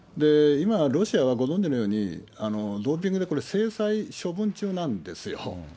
今、ロシアはご存じのように、ドーピングでこれ、制裁処分中なんですよ。